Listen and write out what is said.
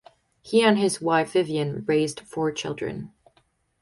He and his wife Vivien raised four children.